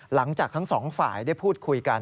หลังจากทั้งสองฝ่ายได้พูดคุยกัน